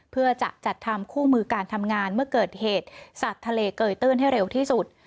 เพื่อจะจัดทำคู่มือการทำงานเมื่อเกิดเหตุสัตว์ทะเลเกยตื้นให้เร็วที่สุด